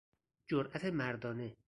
جرأت مردانه